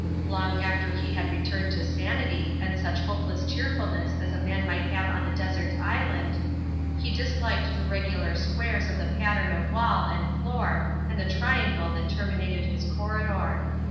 Long after he had returned to sanity and such hopeless cheerfulness as a man might have on a desert island, he disliked the regular squares of the pattern of wall and floor and the triangle that terminated his corridor.